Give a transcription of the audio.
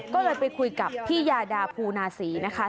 ก็เลยไปคุยกับพี่ยาดาภูนาศรีนะคะ